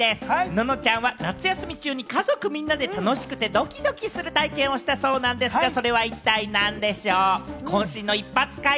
ののちゃんは夏休み中に家族みんなで楽しくてドキドキする体験をしたそうなんですが、それは一体、何でしょう？